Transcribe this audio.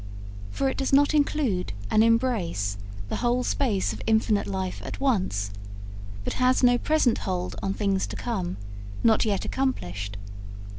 For it does not include and embrace the whole space of infinite life at once, but has no present hold on things to come, not yet accomplished.